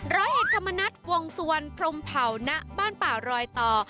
ร้อยเห็นคำนัดวงสวรรค์พรมเผาหน้าบ้านป่ารอยต่อ